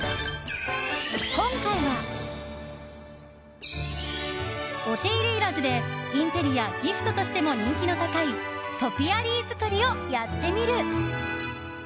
今回は、お手入れいらずでインテリア、ギフトとしても人気の高いトピアリー作りをやってみる。